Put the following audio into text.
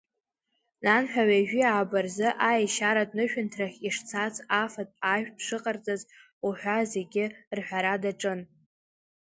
Нанҳәа ҩажәеи ааба рзы аешьаратә нышәынҭрахь ишцаз, афатә-ажәтә шыҟарҵаз уҳәа зегьы рҳәара даҿын.